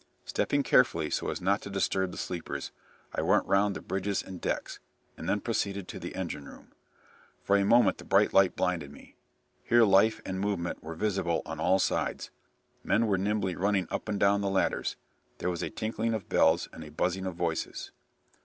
Stepping carefully, so as not to disturb the sleepers, I went round the bridges and decks, and then proceeded to the engine room. For a moment the bright light blinded me. Here life and movement were visible on all sides. Men were nimbly running up and down the ladders; there was a tinkling of bells and a buzzing of voices.